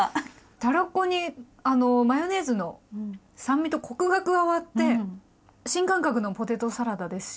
たらこにマヨネーズの酸味とコクが加わって新感覚のポテトサラダですし。